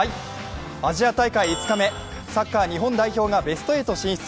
アジア大会５日目、サッカー日本代表がベスト８進出。